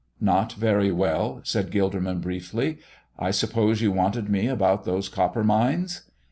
"Not very well," said Gilderman, briefly. "I suppose you wanted me about those copper mines?"